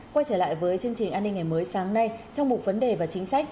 quay trở lại với chương trình an ninh ngày mới sáng nay trong mục vấn đề và chính sách